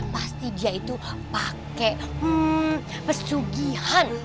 pasti dia itu pakai pesugihan